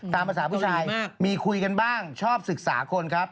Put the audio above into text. ตามภาษาผู้ชายมีคุยกันบ้างชอบศึกษาคนครับ